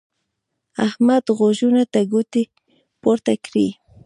احمد غوږو ته ګوتې پورته کړې.